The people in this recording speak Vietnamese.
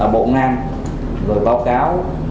bộ ngang rồi báo cáo